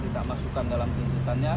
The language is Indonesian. kita masukkan dalam penyelidikannya